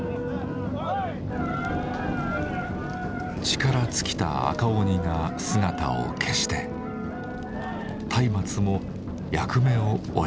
力尽きた赤鬼が姿を消して松明も役目を終えます。